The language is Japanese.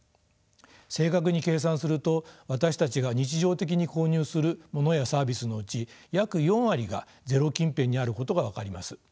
正確に計算すると私たちが日常的に購入するものやサービスのうち約４割がゼロ近辺にあることが分かります。